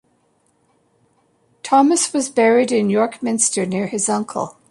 Thomas was buried in York Minster near his uncle.